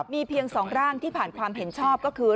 มีเพียง๒ร่างที่ผ่านความเห็นชอบก็คือ